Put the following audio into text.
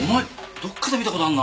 どっかで見た事あんな。